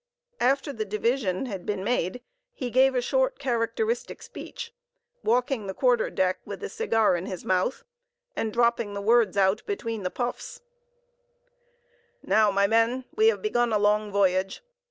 After the division had been made, he gave a short characteristic speech, walking the quarter deck with a cigar in his mouth, and dropping the words out between the puffs: "Now, my men, we have begun a long voyage.